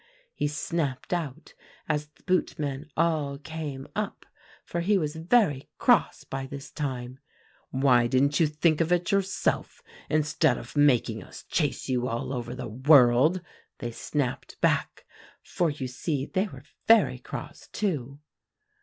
he snapped out as the boot men all came up, for he was very cross by this time. 'Why didn't you think of it yourself instead of making us chase you all over the world?' they snapped back; for you see they were very cross too."